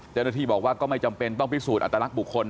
เจ้าหน้าที่บอกว่าก็ไม่จำเป็นต้องพิสูจนอัตลักษณ์บุคคล